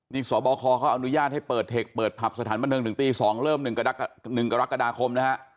นี่สบคเขาอนุญาตให้เปิดเทคเปิดผับสถานบันเทิงถึงตี๒เริ่ม๑กรกฎาคมนะฮะ